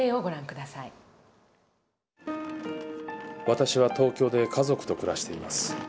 私は東京で家族と暮らしています。